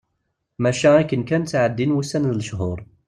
Maca akken kan ttɛeddin wussan d lechur.